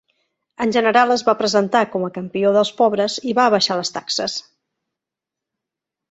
En general es va presentar com a campió dels pobres i va abaixar les taxes.